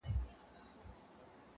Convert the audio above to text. عاقبت یې په کوهي کي سر خوړلی!